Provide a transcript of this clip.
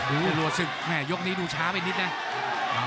โอ้วโอ้ยี่ยกนี้ดูช้าไปนิดเนี่ย